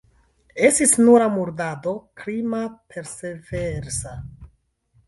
Estis nura murdado, krima, perversa.